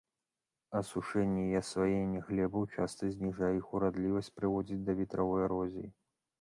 Асушэнне і асваенне глебаў часта зніжае іх урадлівасць, прыводзіць да ветравой эрозіі.